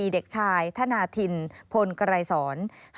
เด็กชายธนาธินพลไกรสอน